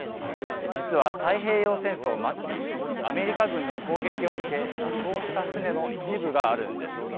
実は太平洋戦争末期、アメリカ軍の攻撃を受け、座礁した船の一部があるんです。